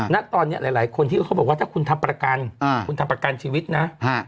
ณตอนนี้หลายคนที่เขาบอกว่าถ้าคุณทำประกันคุณทำประกันชีวิตนะ